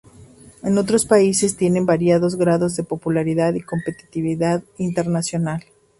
En otros países tiene variados grados de popularidad y competitividad internacional.